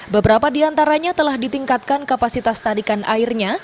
beberapa diantaranya telah ditingkatkan kapasitas tarikan airnya